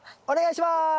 お願いします。